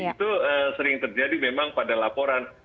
itu sering terjadi memang pada laporan